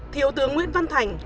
thiếu tướng nguyễn văn thành